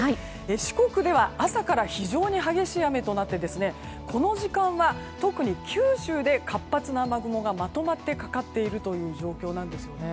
四国では朝から非常に激しい雨となってこの時間は特に九州で活発な雨雲がまとまってかかっている状況なんですよね。